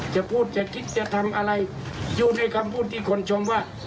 จะพูดจะคิดจะทำอะไรอยู่ในคำพูดที่คนชมว่า